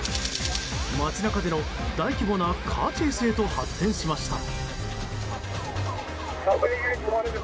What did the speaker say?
街中での、大規模なカーチェイスへと発展しました。